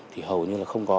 thì hầu như là không có